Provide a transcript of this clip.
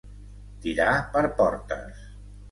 Tirar per portes.